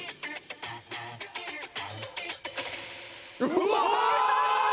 うわ！